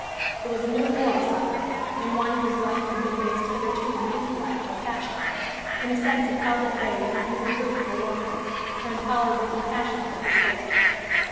It was a new moral suffering, in one whose life had been based hitherto on intellect, or passion. In a sense it held at bay even her grief for Warkworth, her intolerable compassion for his fate.